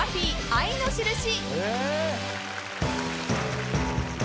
『愛のしるし』］